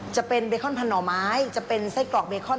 จะเป็นเบคอนพันหน่อไม้จะเป็นไส้กรอกเบคอน